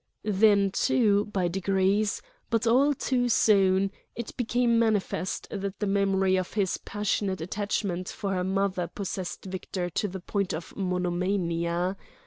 Then, too, by degrees, but all too soon, it became manifest that the memory of his passionate attachment for her mother possessed Victor to the point of monomania.